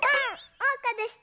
おうかでした！